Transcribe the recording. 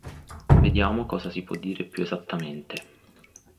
Vediamo cosa si può dire più esattamente.